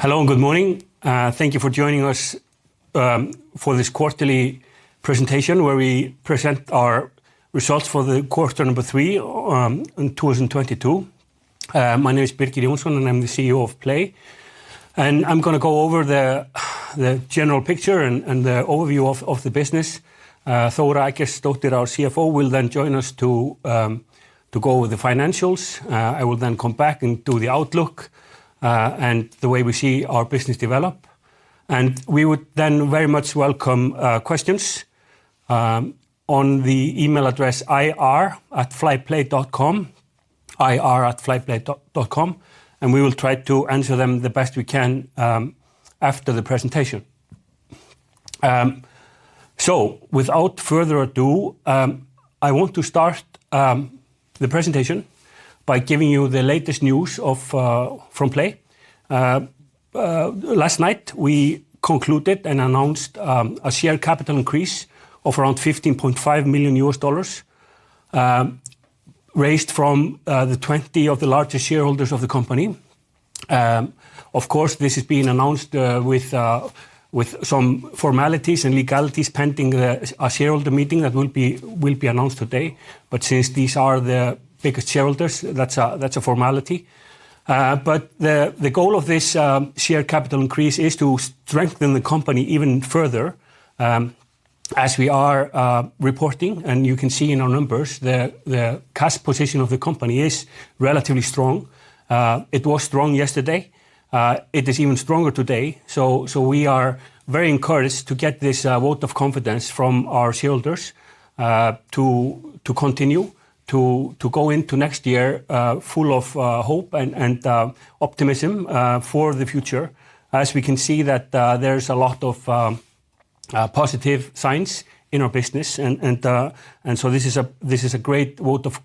Hello and good morning. Thank you for joining us for this quarterly presentation where we present our results for the quarter number three in 2022. My name is Birgir Jónsson, and I'm the CEO of PLAY. I'm gonna go over the general picture and the overview of the business. Thora Eggertsdottir, our CFO, will then join us to go over the financials. I will then come back and do the outlook and the way we see our business develop. We would then very much welcome questions on the email address ir@flyplay.com, ir@flyplay.com, and we will try to answer them the best we can after the presentation. Without further ado, I want to start the presentation by giving you the latest news from PLAY. Last night we concluded and announced a share capital increase of around $15.5 million, raised from the 20 largest shareholders of the company. Of course, this has been announced with some formalities and legalities pending a shareholder meeting that will be announced today. Since these are the biggest shareholders, that's a formality. The goal of this share capital increase is to strengthen the company even further, as we are reporting, and you can see in our numbers the cash position of the company is relatively strong. It was strong yesterday. It is even stronger today. We are very encouraged to get this vote of confidence from our shareholders to continue to go into next year full of hope and optimism for the future as we can see that there is a lot of positive signs in our business. This is a great vote of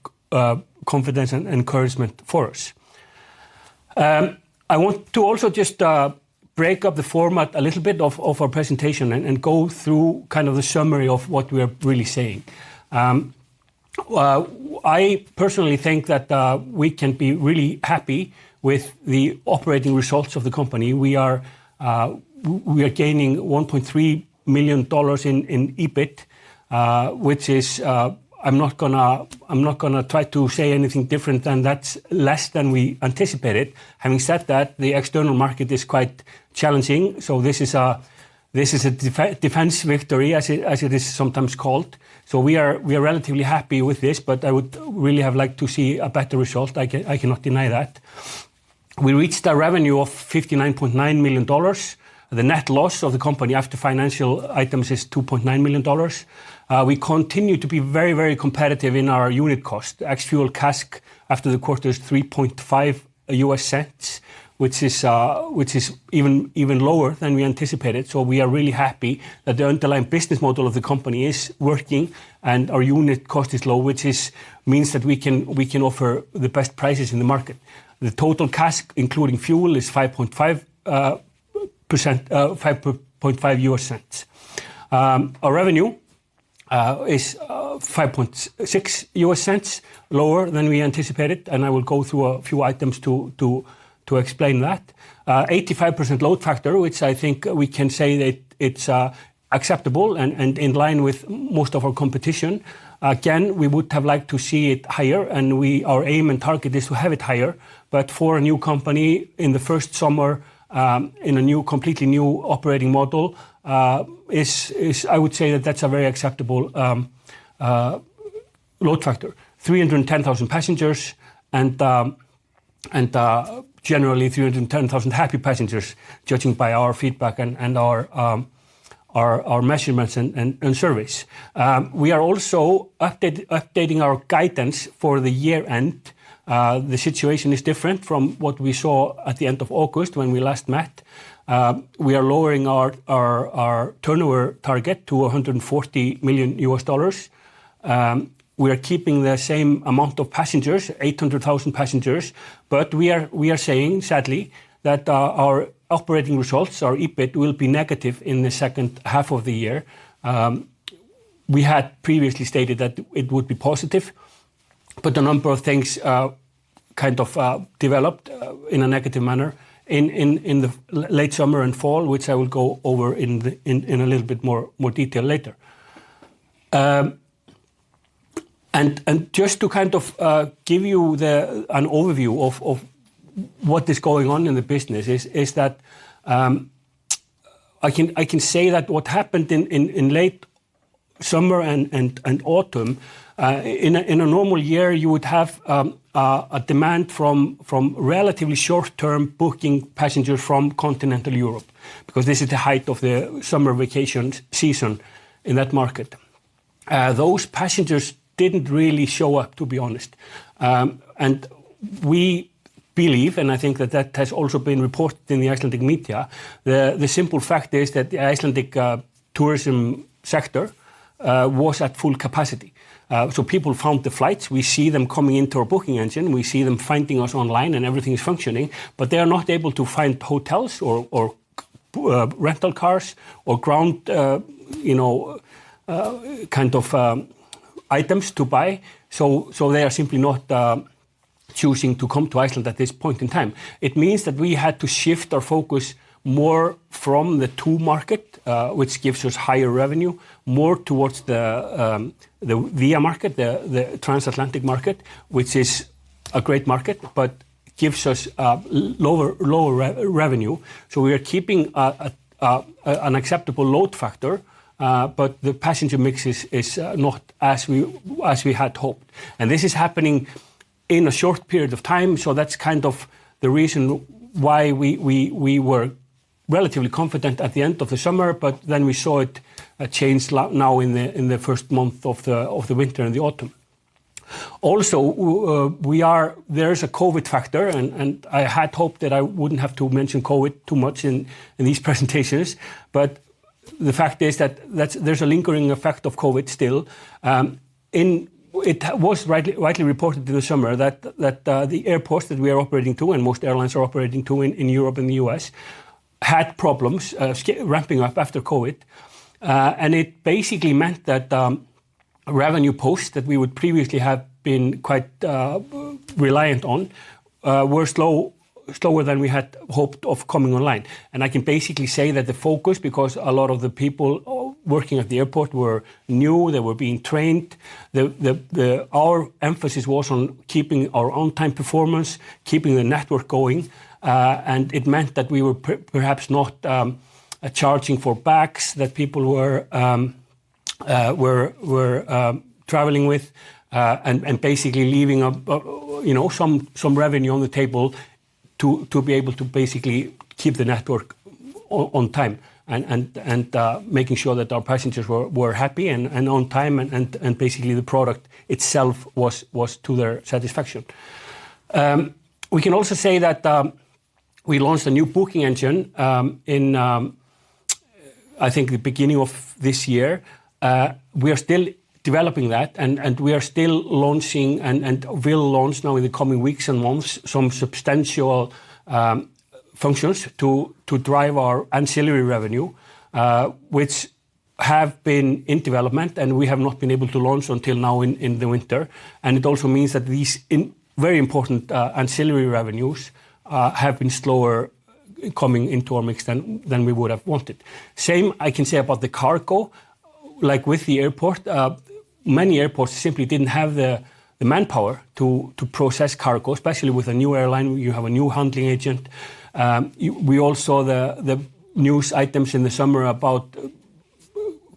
confidence and encouragement for us. I want to also just break up the format a little bit of our presentation and go through kind of the summary of what we are really saying. I personally think that we can be really happy with the operating results of the company. We are gaining $1.3 million in EBIT, which is, I'm not gonna try to say anything different than that it's less than we anticipated. Having said that, the external market is quite challenging, so this is a defense victory as it is sometimes called. We are relatively happy with this, but I would really have liked to see a better result. I cannot deny that. We reached a revenue of $59.9 million. The net loss of the company after financial items is $2.9 million. We continue to be very competitive in our unit cost. Ex-fuel CASK after the quarter is $0.035, which is even lower than we anticipated. We are really happy that the underlying business model of the company is working, and our unit cost is low, which means that we can offer the best prices in the market. The total CASK, including fuel, is $0.055. Our revenue is $0.056 lower than we anticipated, and I will go through a few items to explain that. 85% load factor, which I think we can say that it's acceptable and in line with most of our competition. Again, we would have liked to see it higher, and our aim and target is to have it higher. For a new company in the first summer, in a new, completely new operating model, I would say that that's a very acceptable load factor. 310,000 passengers and generally 310,000 happy passengers, judging by our feedback and our measurements and surveys. We are also updating our guidance for the year-end. The situation is different from what we saw at the end of August when we last met. We are lowering our turnover target to $140 million. We are keeping the same amount of passengers, 800,000 passengers, but we are saying, sadly, that our operating results, our EBIT, will be negative in the second half of the year. We had previously stated that it would be positive, but a number of things kind of developed in a negative manner in the late summer and fall, which I will go over in a little bit more detail later. Just to kind of give you an overview of what is going on in the business is that I can say that what happened in late summer and autumn in a normal year, you would have a demand from relatively short-term booking passengers from continental Europe because this is the height of the summer vacation season in that market. Those passengers didn't really show up, to be honest. We believe, and I think that has also been reported in the Icelandic media, the simple fact is that the Icelandic tourism sector was at full capacity. People found the flights. We see them coming into our booking engine. We see them finding us online, and everything is functioning. They are not able to find hotels or rental cars or ground, you know, kind of, items to buy, so they are simply not choosing to come to Iceland at this point in time. It means that we had to shift our focus more from the to market, which gives us higher revenue, more towards the via market, the transatlantic market, which is a great market, but gives us lower revenue. We are keeping an acceptable load factor, but the passenger mix is not as we had hoped. This is happening in a short period of time. That's kind of the reason why we were relatively confident at the end of the summer, but then we saw it change low now in the first month of the winter and the autumn. Also there is a COVID factor and I had hoped that I wouldn't have to mention COVID too much in these presentations. The fact is that there's a lingering effect of COVID still in It was rightly reported through the summer that the airports that we are operating to, and most airlines are operating to in Europe and the U.S., had problems ramping up after COVID. It basically meant that revenue posts that we would previously have been quite reliant on were slower than we had hoped of coming online. I can basically say that the focus, because a lot of the people working at the airport were new, they were being trained. Our emphasis was on keeping our on-time performance, keeping the network going, and it meant that we were perhaps not charging for bags that people were traveling with, and basically leaving, you know, some revenue on the table to be able to basically keep the network on time and making sure that our passengers were happy and on time and basically the product itself was to their satisfaction. We can also say that we launched a new booking engine in I think the beginning of this year. We are still developing that, and we are still launching and will launch now in the coming weeks and months, some substantial functions to drive our ancillary revenue, which have been in development, and we have not been able to launch until now in the winter. It also means that these very important ancillary revenues have been slower coming into our mix than we would have wanted. Same I can say about the cargo, like with the airport, many airports simply didn't have the manpower to process cargo, especially with a new airline, you have a new handling agent. We all saw the news items in the summer about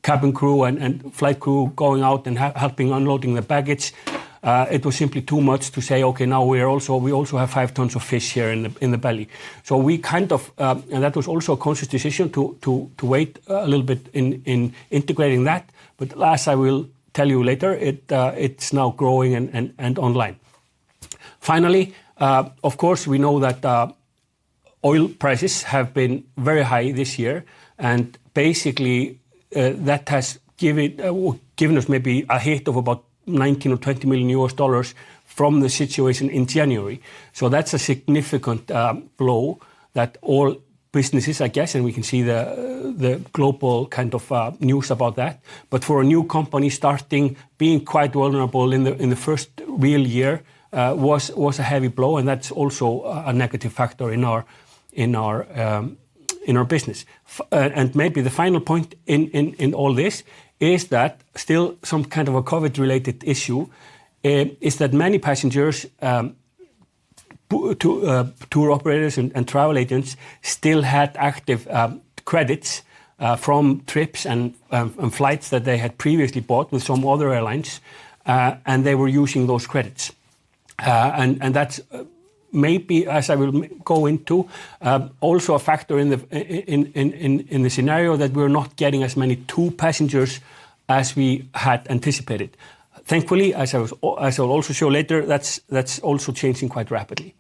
cabin crew and flight crew going out and helping unloading the baggage. It was simply too much to say, "Okay, now we also have 5 tons of fish here in the belly." We kind of and that was also a conscious decision to wait a little bit in integrating that. As I will tell you later, it's now growing and online. Finally, of course, we know that oil prices have been very high this year, and basically, that has given us maybe a hit of about $19 million-$20 million from the situation in January. That's a significant blow that all businesses, I guess, and we can see the global kind of news about that. For a new company starting, being quite vulnerable in the first real year, was a heavy blow, and that's also a negative factor in our business. Maybe the final point in all this is that still some kind of a COVID-related issue is that many passengers, tour operators and travel agents still had active credits from trips and flights that they had previously bought with some other airlines, and they were using those credits. That's maybe, as I will go into, also a factor in the scenario that we're not getting as many tour passengers as we had anticipated. Thankfully, as I'll also show later, that's also changing quite rapidly.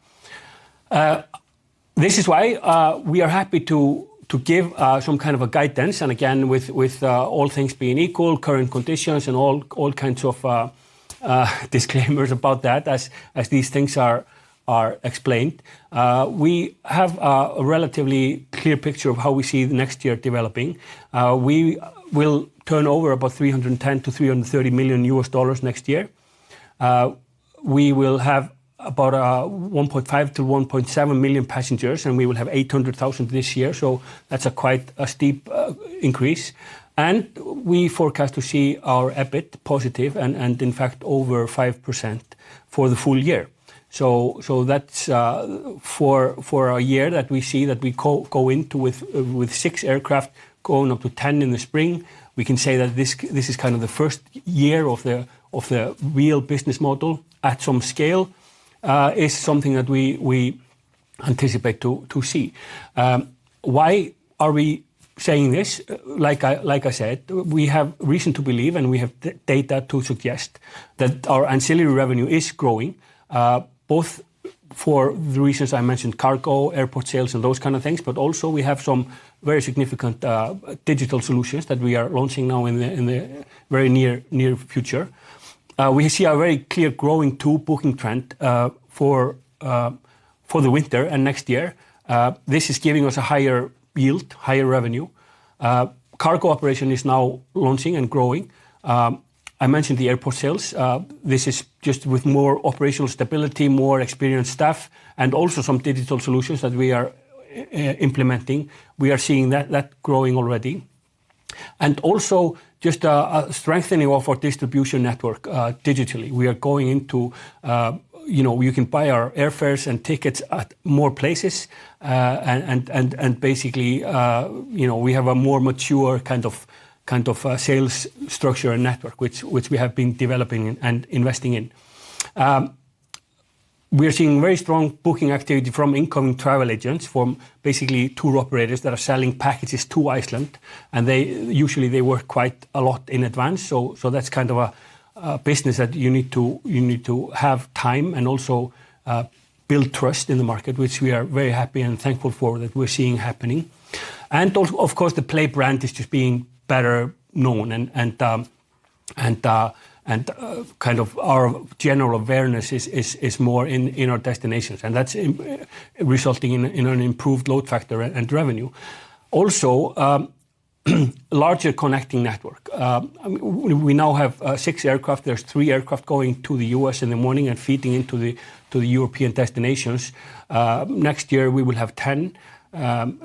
This is why we are happy to give some kind of a guidance and again, with all things being equal, current conditions and all kinds of disclaimers about that as these things are explained. We have a relatively clear picture of how we see the next year developing. We will turn over about $310 million-$330 million next year. We will have about 1.5 million-1.7 million passengers, and we will have 800,000 this year. That's quite a steep increase. We forecast to see our EBIT positive and in fact over 5% for the full year. That's for a year that we see that we go into with six aircraft going up to 10 in the spring. We can say that this is kind of the first year of the real business model at some scale, is something that we anticipate to see. Why are we saying this? Like I said, we have reason to believe, and we have data to suggest that our ancillary revenue is growing, both for the reasons I mentioned, cargo, airport sales and those kind of things, but also we have some very significant digital solutions that we are launching now in the very near future. We see a very clear growing tour booking trend for the winter and next year. This is giving us a higher yield, higher revenue. Cargo operation is now launching and growing. I mentioned the airport sales. This is just with more operational stability, more experienced staff, and also some digital solutions that we are implementing. We are seeing that growing already. Also just a strengthening of our distribution network digitally. We are going into you know, you can buy our airfares and tickets at more places. And basically you know, we have a more mature kind of sales structure and network, which we have been developing and investing in. We are seeing very strong booking activity from incoming travel agents, from basically tour operators that are selling packages to Iceland, and they usually work quite a lot in advance. That's kind of a business that you need to have time and also build trust in the market, which we are very happy and thankful for, that we're seeing happening. Also, of course, the PLAY brand is just being better known and kind of our general awareness is more in our destinations, and that's resulting in an improved load factor and revenue. Also, larger connecting network. We now have six aircraft. There's three aircraft going to the U.S. in the morning and feeding into the European destinations. Next year, we will have 10.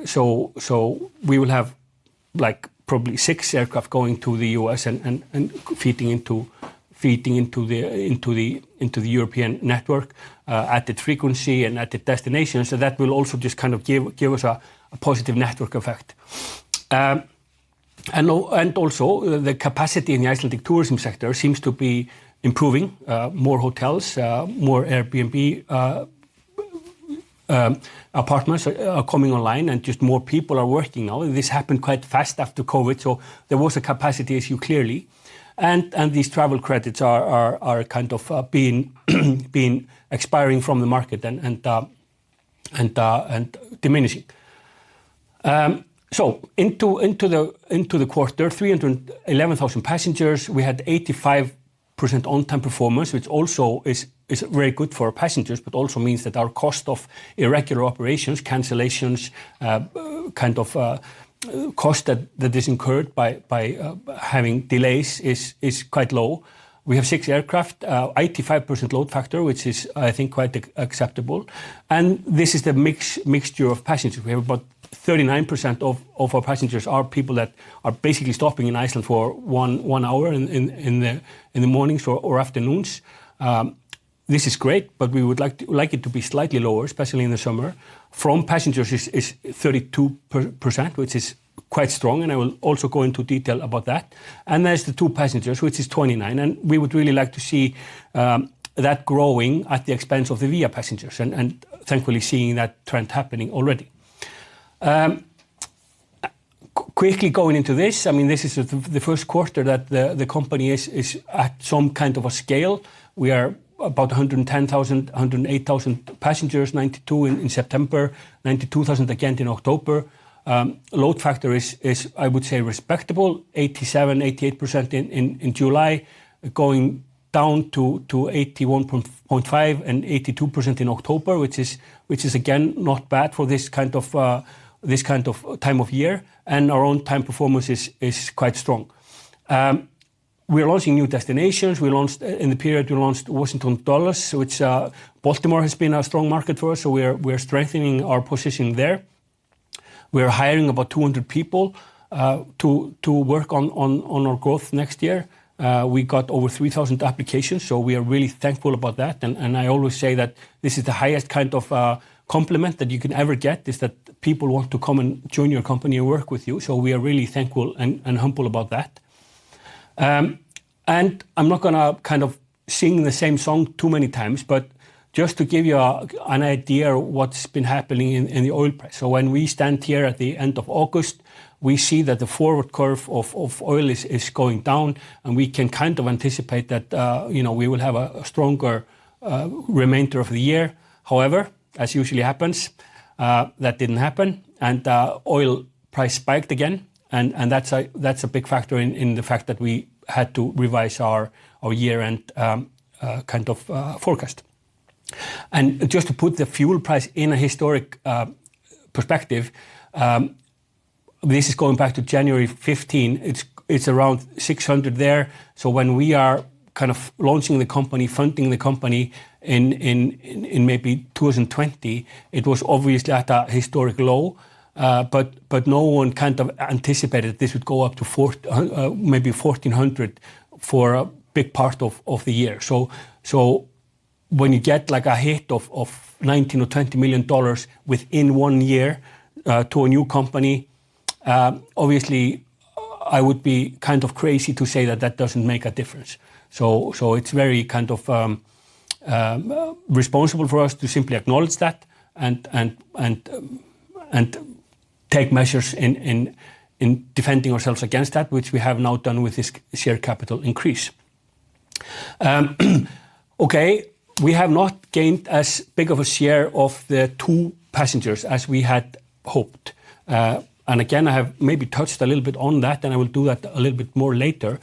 So we will have, like, probably six aircraft going to the U.S. and feeding into the European network at the frequency and at the destinations. That will also just kind of give us a positive network effect. Also, the capacity in the Icelandic tourism sector seems to be improving. More hotels, more Airbnb apartments are coming online and just more people are working now. This happened quite fast after COVID, so there was a capacity issue clearly. These travel credits are kind of being expiring from the market and diminishing. So into the quarter, 311,000 passengers. We had 85% on-time performance, which also is very good for our passengers, but also means that our cost of irregular operations, cancellations, kind of cost that is incurred by having delays is quite low. We have six aircraft, 85% load factor, which is, I think, quite acceptable, and this is the mixture of passengers. We have about 39% of our passengers are people that are basically stopping in Iceland for one hour in the mornings or afternoons. This is great, but we would like it to be slightly lower, especially in the summer. From passengers is 32%, which is quite strong, and I will also go into detail about that. There's the to passengers, which is 29%, and we would really like to see that growing at the expense of the via passengers and thankfully seeing that trend happening already. Quickly going into this, I mean, this is the first quarter that the company is at some kind of a scale. We are about 110,000, 108,000 passengers, 92,000 in September, 92,000 again in October. Load factor is, I would say, respectable, 87%-88% in July, going down to 81.5% and 82% in October, which is again not bad for this kind of time of year and our on-time performance is quite strong. We are launching new destinations. We launched Washington Dulles in the period. Baltimore has been a strong market for us, so we are strengthening our position there. We are hiring about 200 people to work on our growth next year. We got over 3,000 applications, so we are really thankful about that. I always say that this is the highest kind of compliment that you can ever get, is that people want to come and join your company and work with you. We are really thankful and humble about that. I'm not gonna kind of sing the same song too many times, but just to give you an idea what's been happening in the oil price. When we stand here at the end of August, we see that the forward curve of oil is going down, and we can kind of anticipate that, you know, we will have a stronger remainder of the year. However, as usually happens, that didn't happen and oil price spiked again and that's a big factor in the fact that we had to revise our year-end kind of forecast. Just to put the fuel price in a historic perspective, this is going back to January 15. It's around 600 there. When we are kind of launching the company, funding the company in maybe 2020, it was obviously at a historic low. No one kind of anticipated this would go up to 1,400 for a big part of the year. When you get like a hit of $19 million or $20 million within one year to a new company, obviously I would be kind of crazy to say that that doesn't make a difference. It's very kind of responsible for us to simply acknowledge that and take measures in defending ourselves against that, which we have now done with this share capital increase. Okay, we have not gained as big of a share of the to passengers as we had hoped. Again, I have maybe touched a little bit on that, and I will do that a little bit more later.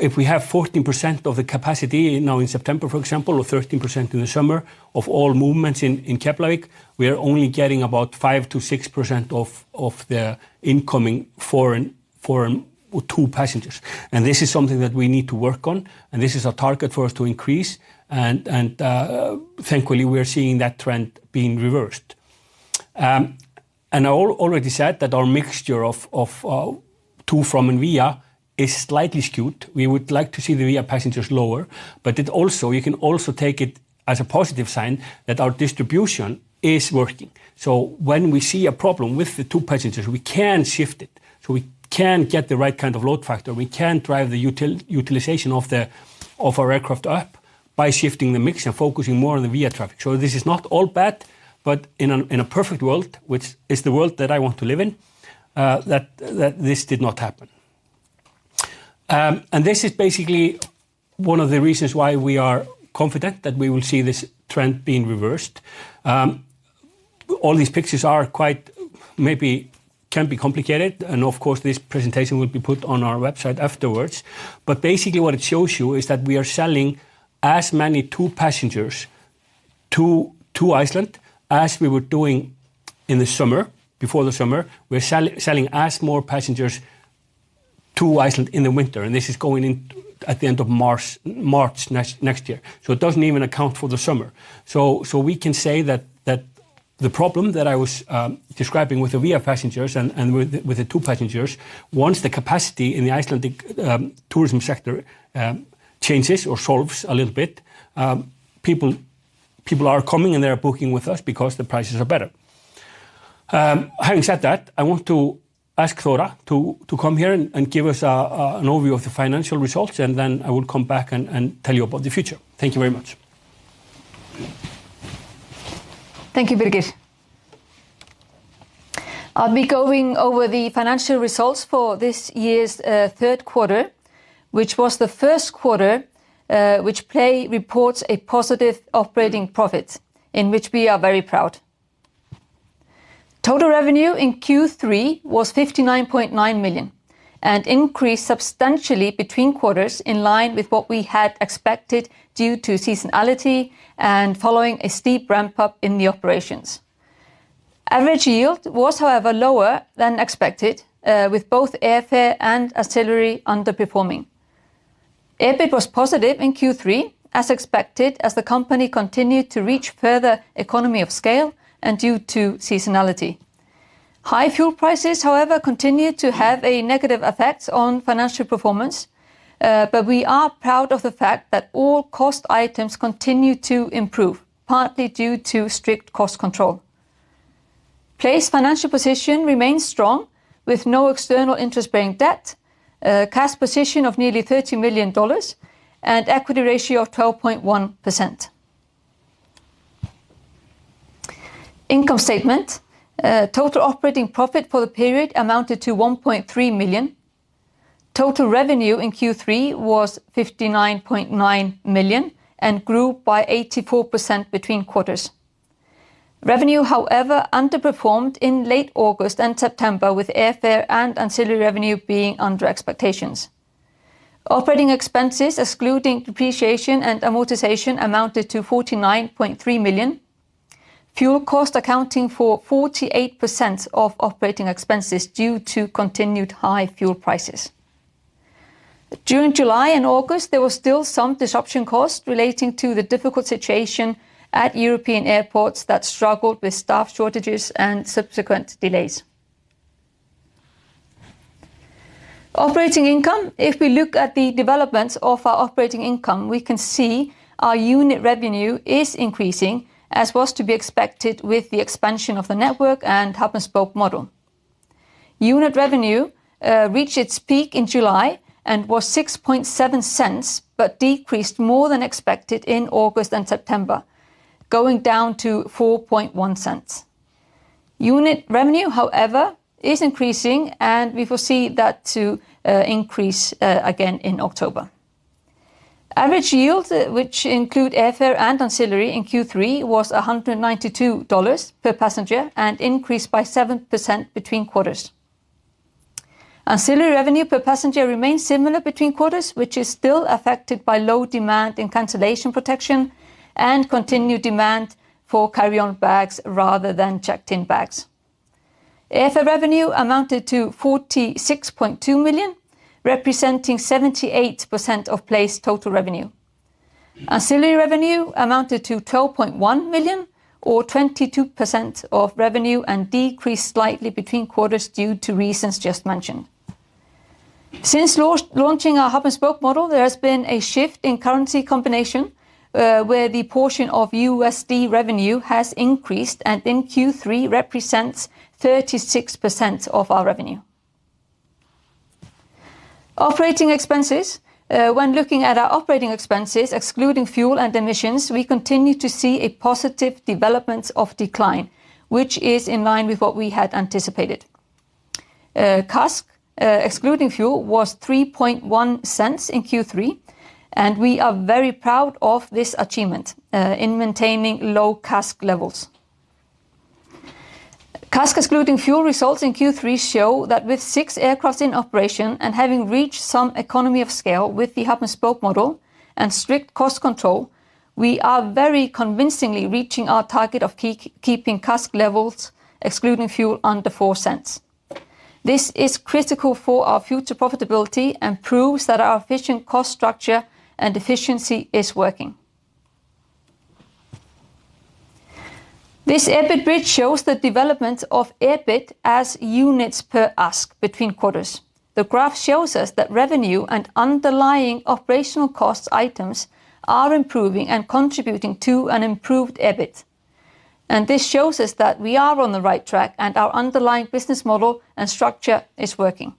If we have 14% of the capacity now in September, for example, or 13% in the summer of all movements in Keflavík, we are only getting about 5%-6% of the incoming foreign tour passengers. This is something that we need to work on, and this is a target for us to increase. Thankfully, we are seeing that trend being reversed. I already said that our mixture of to, from and via is slightly skewed. We would like to see the via passengers lower, but you can also take it as a positive sign that our distribution is working. When we see a problem with the tour passengers, we can shift it, so we can get the right kind of load factor. We can drive the utilization of our aircraft up by shifting the mix and focusing more on the via traffic. This is not all bad, but in a perfect world, which is the world that I want to live in, that this did not happen. This is basically one of the reasons why we are confident that we will see this trend being reversed. All these pictures are quite, maybe, can be complicated, and of course, this presentation will be put on our website afterwards. Basically what it shows you is that we are selling as many tour passengers to Iceland as we were doing in the summer, before the summer. We're selling as many more passengers to Iceland in the winter, and this is going on at the end of March next year. It doesn't even account for the summer. We can say that the problem that I was describing with the via passengers and with the tour passengers, once the capacity in the Icelandic tourism sector changes or solves a little bit, people are coming and they are booking with us because the prices are better. Having said that, I want to ask Thora to come here and give us an overview of the financial results, and then I will come back and tell you about the future. Thank you very much. Thank you, Birgir. I'll be going over the financial results for this year's third quarter, which was the first quarter, which PLAY reports a positive operating profit in which we are very proud. Total revenue in Q3 was $59.9 million and increased substantially between quarters in line with what we had expected due to seasonality and following a steep ramp-up in the operations. Average yield was, however, lower than expected, with both airfare and ancillary underperforming. EBIT was positive in Q3, as expected, as the company continued to reach further economy of scale and due to seasonality. High fuel prices, however, continued to have a negative effect on financial performance. We are proud of the fact that all cost items continue to improve, partly due to strict cost control. PLAY's financial position remains strong, with no external interest-bearing debt, a cash position of nearly $30 million, and equity ratio of 12.1%. Income statement. Total operating profit for the period amounted to $1.3 million. Total revenue in Q3 was $59.9 million and grew by 84% between quarters. Revenue, however, underperformed in late August and September with airfare and ancillary revenue being under expectations. Operating expenses, excluding depreciation and amortization, amounted to $49.3 million. Fuel cost accounting for 48% of operating expenses due to continued high fuel prices. During July and August, there was still some disruption costs relating to the difficult situation at European airports that struggled with staff shortages and subsequent delays. Operating income. If we look at the developments of our operating income, we can see our unit revenue is increasing, as was to be expected with the expansion of the network and hub-and-spoke model. Unit revenue reached its peak in July and was $0.067 but decreased more than expected in August and September, going down to $0.041. Unit revenue, however, is increasing, and we foresee that to increase again in October. Average yield, which include airfare and ancillary in Q3, was $192 per passenger and increased by 7% between quarters. Ancillary revenue per passenger remains similar between quarters, which is still affected by low demand in cancellation protection and continued demand for carry-on bags rather than checked-in bags. Airfare revenue amounted to $46.2 million, representing 78% of PLAY's total revenue. Ancillary revenue amounted to $12.1 million or 22% of revenue and decreased slightly between quarters due to reasons just mentioned. Since launching our hub-and-spoke model, there has been a shift in currency combination, where the portion of USD revenue has increased and in Q3 represents 36% of our revenue. Operating expenses. When looking at our operating expenses, excluding fuel and emissions, we continue to see a positive development of decline, which is in line with what we had anticipated. CASK, excluding fuel was $0.031 in Q3, and we are very proud of this achievement, in maintaining low CASK levels. CASK excluding fuel results in Q3 show that with six aircraft in operation and having reached some economy of scale with the hub-and-spoke model and strict cost control, we are very convincingly reaching our target of keeping CASK levels excluding fuel under $0.04. This is critical for our future profitability and proves that our efficient cost structure and efficiency is working. This EBIT bridge shows the development of EBIT as units per ASK between quarters. The graph shows us that revenue and underlying operational costs items are improving and contributing to an improved EBIT. This shows us that we are on the right track and our underlying business model and structure is working.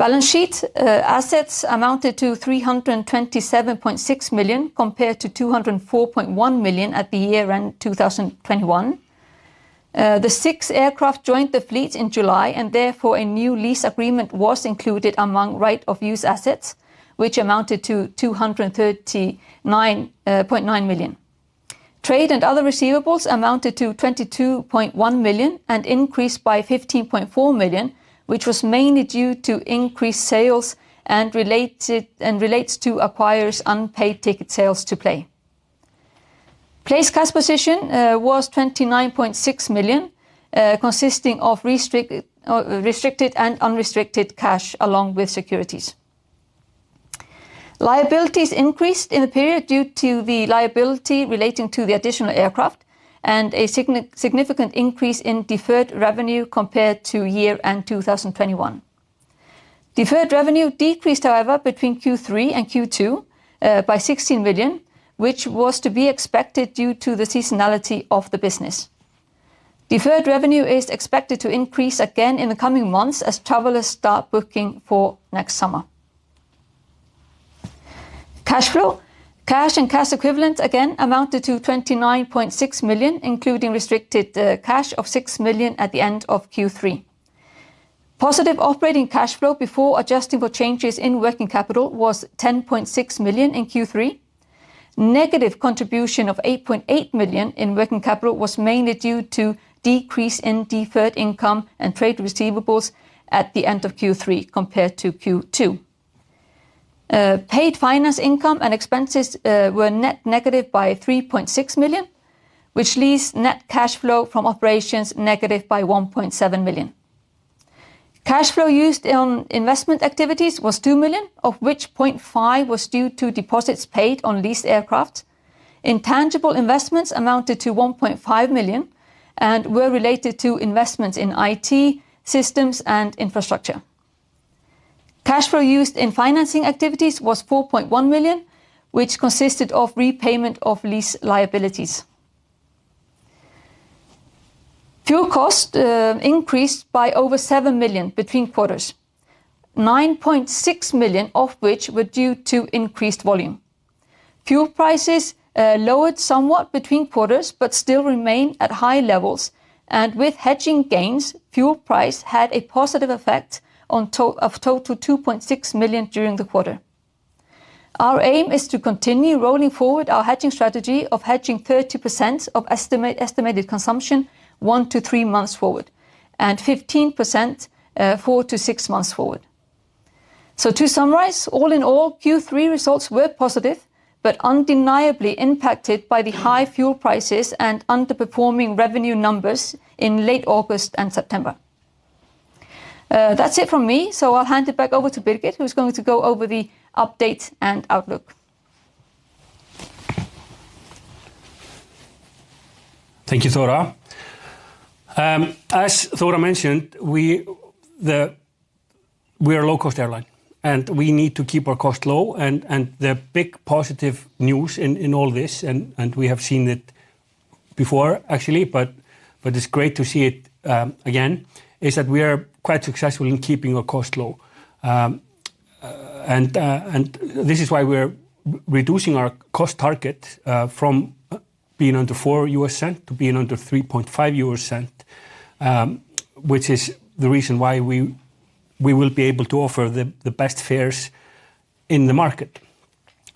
Balance sheet assets amounted to $327.6 million compared to $204.1 million at the year-end 2021. The six aircraft joined the fleet in July, and therefore a new lease agreement was included among right-of-use assets, which amounted to $239.9 million. Trade and other receivables amounted to $22.1 million and increased by $15.4 million, which was mainly due to increased sales and related, and relates to acquirers' unpaid ticket sales to PLAY. PLAY's cash position was $29.6 million, consisting of restricted and unrestricted cash, along with securities. Liabilities increased in the period due to the liability relating to the additional aircraft and a significant increase in deferred revenue compared to year-end 2021. Deferred revenue decreased, however, between Q3 and Q2 by $16 million, which was to be expected due to the seasonality of the business. Deferred revenue is expected to increase again in the coming months as travelers start booking for next summer. Cash flow. Cash and cash equivalents again amounted to $29.6 million, including restricted cash of $6 million at the end of Q3. Positive operating cash flow before adjusting for changes in working capital was $10.6 million in Q3. Negative contribution of $8.8 million in working capital was mainly due to decrease in deferred income and trade receivables at the end of Q3 compared to Q2. Paid finance income and expenses were net negative by $3.6 million, which leaves net cash flow from operations negative by $1.7 million. Cash flow used on investment activities was $2 million, of which $0.5 million was due to deposits paid on leased aircraft. Intangible investments amounted to $1.5 million and were related to investments in IT systems and infrastructure. Cash flow used in financing activities was $4.1 million, which consisted of repayment of lease liabilities. Fuel cost increased by over $7 million between quarters, $9.6 million of which were due to increased volume. Fuel prices lowered somewhat between quarters but still remain at high levels. With hedging gains, fuel price had a positive effect on total, of total $2.6 million during the quarter. Our aim is to continue rolling forward our hedging strategy of hedging 30% of estimate, estimated consumption one to three months forward, and 15% four to six months forward. To summarize, all in all, Q3 results were positive but undeniably impacted by the high fuel prices and underperforming revenue numbers in late August and September. That's it from me, so I'll hand it back over to Birgir, who's going to go over the update and outlook. Thank you, Thora. As Thora mentioned, we're a low-cost airline, and we need to keep our cost low. The big positive news in all this, we have seen it before actually, but it's great to see it again, is that we are quite successful in keeping our cost low. This is why we're reducing our cost target from being under $0.04 to being under $0.035, which is the reason why we will be able to offer the best fares in the market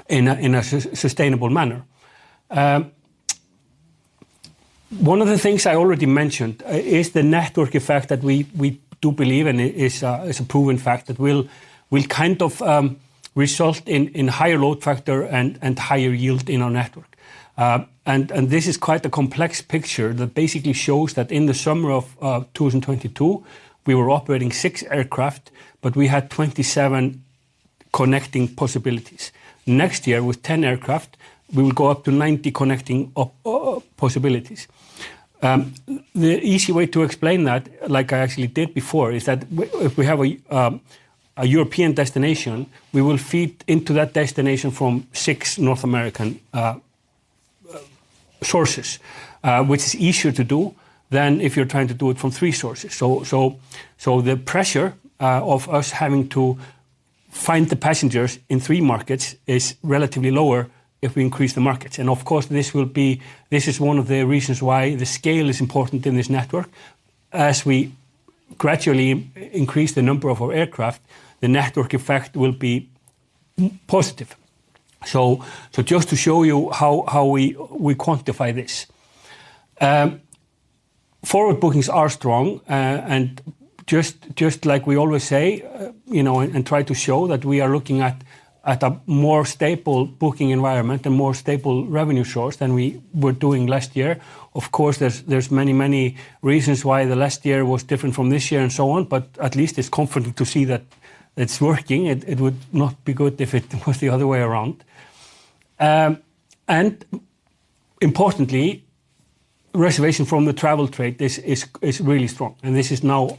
in a sustainable manner. One of the things I already mentioned is the network effect that we do believe, and it is, it's a proven fact that will kind of result in higher load factor and higher yield in our network. This is quite a complex picture that basically shows that in the summer of 2022, we were operating six aircraft, but we had 27 connecting possibilities. Next year, with 10 aircraft, we will go up to 90 connecting possibilities. The easy way to explain that, like I actually did before, is that if we have a European destination, we will feed into that destination from six North American sources, which is easier to do than if you're trying to do it from three sources. The pressure of us having to find the passengers in three markets is relatively lower if we increase the markets. Of course, this is one of the reasons why the scale is important in this network. As we gradually increase the number of our aircraft, the network effect will be positive. Just to show you how we quantify this. Forward bookings are strong. Just like we always say, you know, and try to show that we are looking at a more stable booking environment, a more stable revenue source than we were doing last year. Of course, there's many reasons why the last year was different from this year and so on, but at least it's comforting to see that it's working. It would not be good if it was the other way around. Importantly, reservation from the travel trade is really strong, and this is now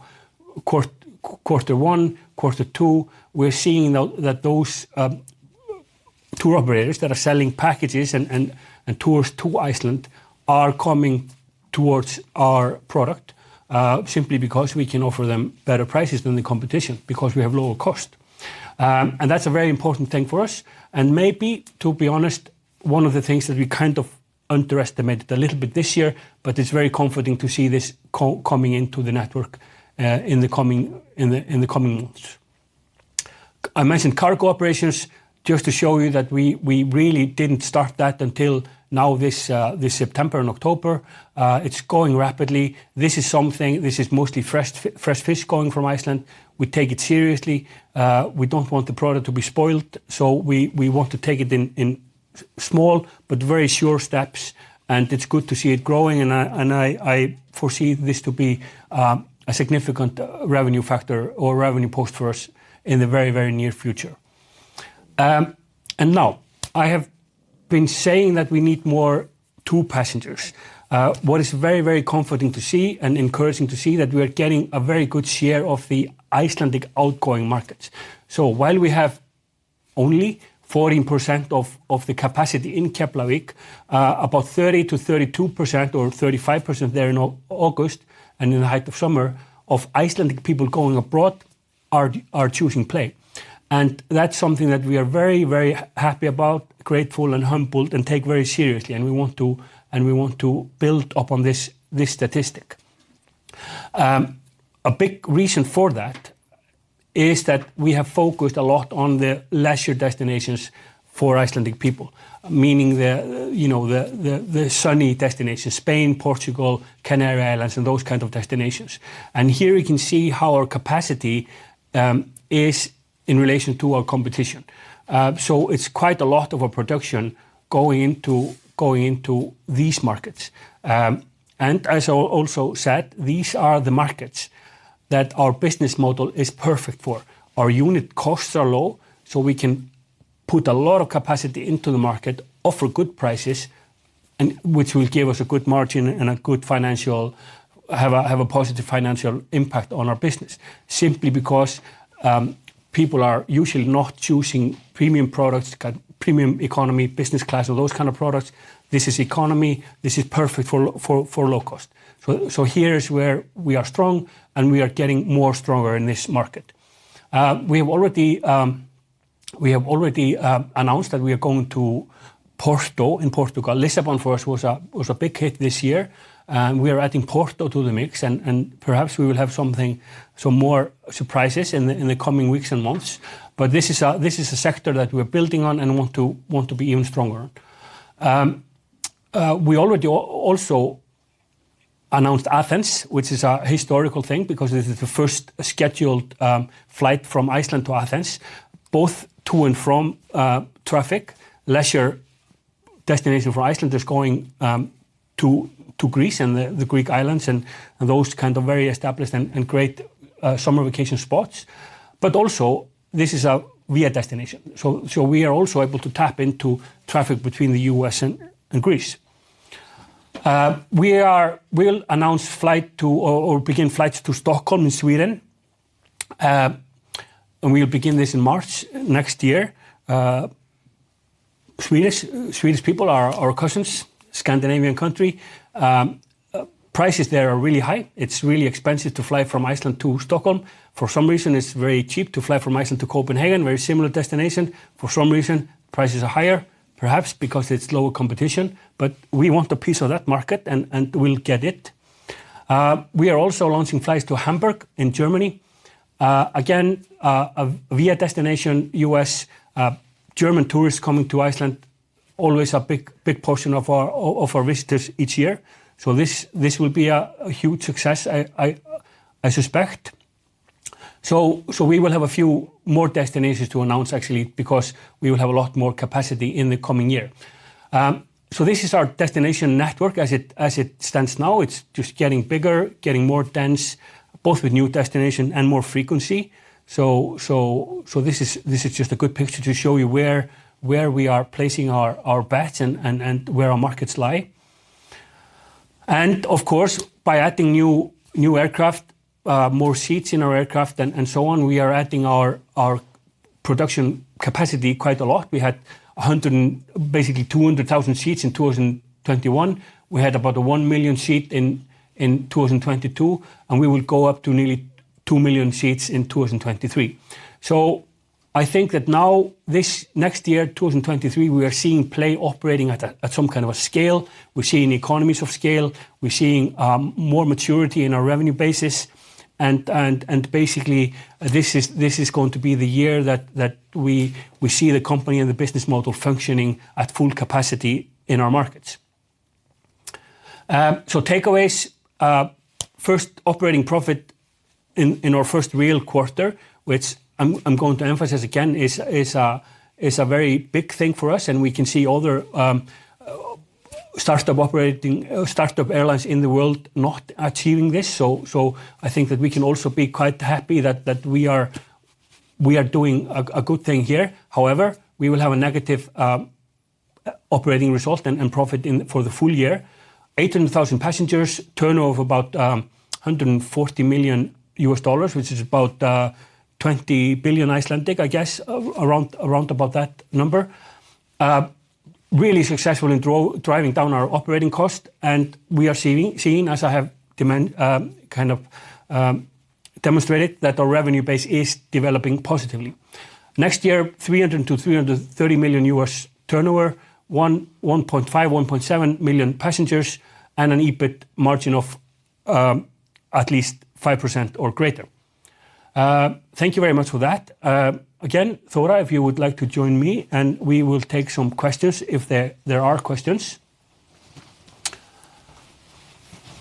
quarter one, quarter two. We're seeing now that those tour operators that are selling packages and tours to Iceland are coming towards our product simply because we can offer them better prices than the competition because we have lower cost. That's a very important thing for us, and maybe to be honest, one of the things that we kind of underestimated a little bit this year, but it's very comforting to see this coming into the network in the coming months. I mentioned cargo operations just to show you that we really didn't start that until now, this September and October. It's growing rapidly. This is mostly fresh fish going from Iceland. We take it seriously. We don't want the product to be spoiled, so we want to take it in small but very sure steps, and it's good to see it growing, and I foresee this to be a significant revenue factor or revenue boost for us in the very, very near future. Now I have been saying that we need more tour passengers. What is very, very comforting to see and encouraging to see that we are getting a very good share of the Icelandic outgoing markets. While we have only 14% of the capacity in Keflavík, about 30%-32% or 35% there in August and in the height of summer of Icelandic people going abroad are choosing PLAY. That's something that we are very, very happy about, grateful and humbled and take very seriously, and we want to build upon this statistic. A big reason for that is that we have focused a lot on the leisure destinations for Icelandic people, meaning you know the sunny destinations, Spain, Portugal, Canary Islands, and those kinds of destinations. Here you can see how our capacity is in relation to our competition. It's quite a lot of our production going into these markets. As I also said, these are the markets that our business model is perfect for. Our unit costs are low, so we can put a lot of capacity into the market, offer good prices, which will give us a good margin and have a positive financial impact on our business simply because people are usually not choosing premium products, premium economy, business class, or those kind of products. This is economy. This is perfect for low cost. Here is where we are strong, and we are getting more stronger in this market. We have already announced that we are going to Porto in Portugal. Lisbon for us was a big hit this year. We are adding Porto to the mix, and perhaps we will have some more surprises in the coming weeks and months. This is a sector that we're building on and want to be even stronger. We already also announced Athens, which is a historical thing because this is the first scheduled flight from Iceland to Athens, both to and from traffic. Leisure destination for Iceland is going to Greece and the Greek islands and those kind of very established and great summer vacation spots. This is also a via destination. We are also able to tap into traffic between the U.S. and Greece. We'll announce flight to or begin flights to Stockholm in Sweden. We'll begin this in March next year. Swedish people are our cousins, Scandinavian country. Prices there are really high. It's really expensive to fly from Iceland to Stockholm. For some reason, it's very cheap to fly from Iceland to Copenhagen, very similar destination. For some reason, prices are higher, perhaps because it's lower competition. We want a piece of that market and we'll get it. We are also launching flights to Hamburg in Germany. Again, a via destination U.S., German tourists coming to Iceland, always a big portion of our visitors each year. This will be a huge success, I suspect. We will have a few more destinations to announce actually, because we will have a lot more capacity in the coming year. This is our destination network as it stands now. It's just getting bigger, getting more dense, both with new destination and more frequency. This is just a good picture to show you where we are placing our bets and where our markets lie. Of course, by adding new aircraft, more seats in our aircraft and so on, we are adding our production capacity quite a lot. We had about 200,000 seats in 2021. We had about 1 million seats in 2022, and we will go up to nearly 2 million seats in 2023. I think that now this next year, 2023, we are seeing PLAY operating at some kind of a scale. We're seeing economies of scale. We're seeing more maturity in our revenue basis, and basically this is going to be the year that we see the company and the business model functioning at full capacity in our markets. Takeaways, first operating profit in our first real quarter, which I'm going to emphasize again is a very big thing for us, and we can see other startup airlines in the world not achieving this. I think that we can also be quite happy that we are doing a good thing here. However, we will have a negative operating result and profit in for the full year. 18,000 passengers, turnover about $140 million, which is about 20 billion, I guess, around about that number. Really successful in driving down our operating cost, and we are seeing as I have kind of demonstrated that our revenue base is developing positively. Next year, $300 million-$330 million turnover, 1.5-1.7 million passengers, and an EBIT margin of at least 5% or greater. Thank you very much for that. Again, Thora, if you would like to join me, and we will take some questions if there are questions.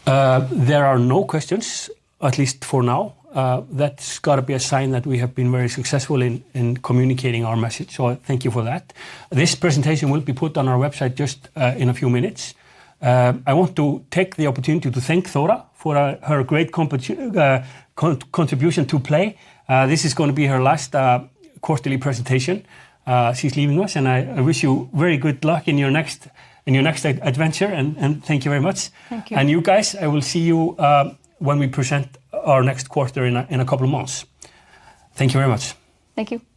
There are no questions, at least for now. That's gotta be a sign that we have been very successful in communicating our message. Thank you for that. This presentation will be put on our website just in a few minutes. I want to take the opportunity to thank Thora for her great contribution to PLAY. This is gonna be her last quarterly presentation. She's leaving us, and I wish you very good luck in your next adventure, and thank you very much. Thank you. You guys, I will see you when we present our next quarter in a couple of months. Thank you very much. Thank you.